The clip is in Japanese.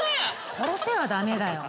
殺せはダメだ。